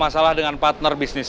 masalah dengan partner bisnis